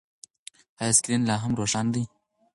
ایا سکرین لا هم روښانه دی؟